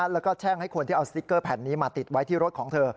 แล้วก็แช่งให้คนที่เอาสติ๊กเกอร์แผ่นนี้มาติดไว้ที่รถของเธอ